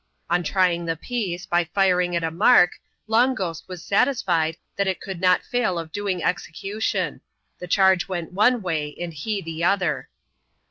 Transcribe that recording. On trying the piece, by firing at a mark, Long Ghost was satisfiad that it could not fail of doing execution : the charge went one way, and he the other.